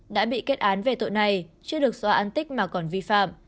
đã bị kết án về tội này chưa được xóa an tích mà còn vi phạm